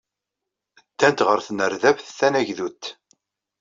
Ddant ɣer tnerdabt tanagdudt.